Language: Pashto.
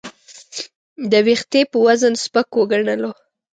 د وېښتې په وزن سپک وګڼلو.